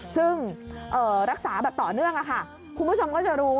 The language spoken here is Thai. ซึ่งรักษาแบบต่อเนื่องค่ะคุณผู้ชมก็จะรู้